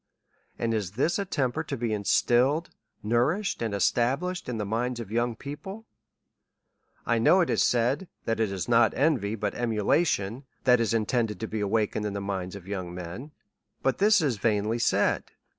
, And is this a temper to be instilled, nourished, and established in the minds of young people ?, I know it is said that it is not envy, but emulation, that is intended to be awakened in the minds of young men. 236 A SERIOUS CALL TO A But this is vainly said.